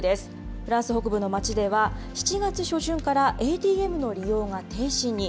フランス北部の町では、７月初旬からＡＴＭの利用が停止に。